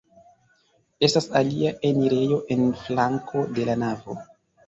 Estas alia enirejo en flanko de la navo.